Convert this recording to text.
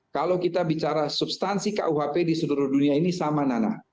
kalau kita bicara substansi kuhp di seluruh dunia ini sama nana